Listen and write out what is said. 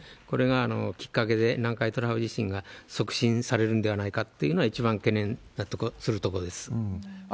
これがきっかけで、南海トラフ地震が促進されるんではないかというのは、一番懸念するところです。